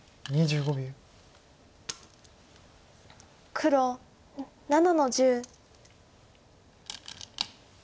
黒７の十。